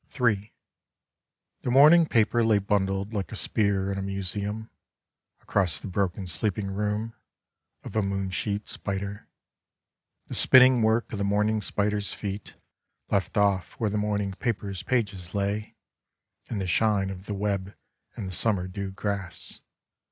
The morning paper lay bundled Like a spear in a museum Across the broken sleeping room Of a moon sheet spider. The spinning work of the morning spider's feet Left off where the morning paper's pages lay In the shine of the web in the summer dew grass.